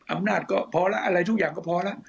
อำนาจก็พอแล้วอะไรทุกอย่างก็พอแล้ว